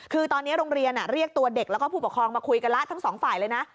คือตอนนี้โรงเรียนเรียกตัวเด็กแล้วก็ผู้ปกครองมาคุยกันแล้วทั้งสองฝ่ายเลยนะ